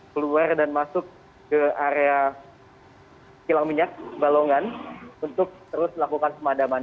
keluar dan masuk ke area kilang minyak balongan untuk terus melakukan pemadaman